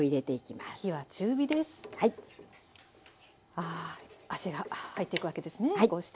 ああ味が入っていくわけですねこうして。